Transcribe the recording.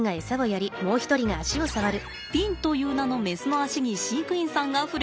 ピンという名のメスの足に飼育員さんが触れています。